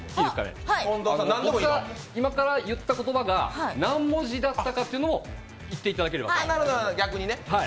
今から言った言葉が何文字だったかというのを言っていただければ。